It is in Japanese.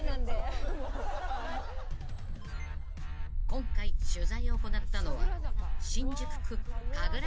［今回取材を行ったのは］